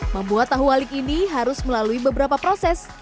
membuat tahu wali ini harus melalui beberapa proses